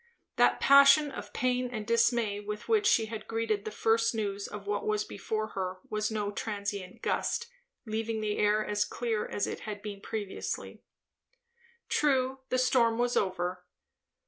That passion of pain and dismay with which she had greeted the first news of what was before her was no transient gust, leaving the air as clear as it had been previously. True, the storm was over.